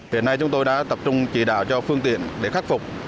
hiện nay chúng tôi đã tập trung chỉ đạo cho phương tiện để khắc phục